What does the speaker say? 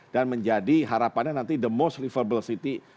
dan menjadi harapannya nanti the most livable city